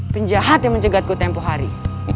penjahat yang mencegatku tempuh hari